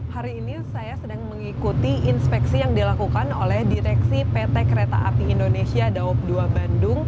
hari ini saya sedang mengikuti inspeksi yang dilakukan oleh direksi pt kereta api indonesia daob dua bandung